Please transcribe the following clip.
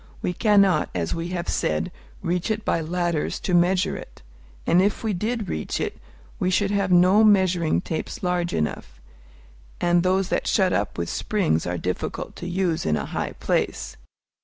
We cannot, as we have said, reach it by ladders to measure it; and if we did reach it, we should have no measuring tapes large enough, and those that shut up with springs are difficult to use in a high place.